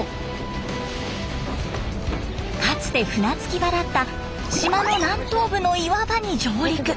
かつて船着き場だった島の南東部の岩場に上陸。